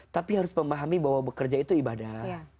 tapi harus memahami bahwa bekerja itu ibadah